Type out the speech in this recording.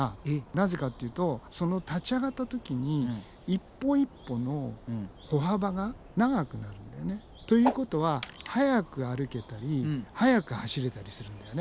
なぜかっていうとその立ち上がった時に一歩一歩の歩幅が長くなるんだよね。ということは速く歩けたり速く走れたりするんだよね。